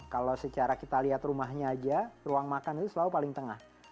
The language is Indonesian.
kalau secara kita lihat rumahnya aja ruang makan itu selalu paling tengah